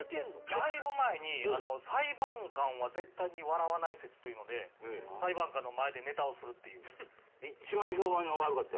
だいぶ前に裁判官は絶対に笑わない説というので裁判官の前でネタをするっていうえっ？